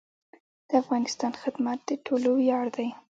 د افغانستان خدمت د ټولو ویاړ دی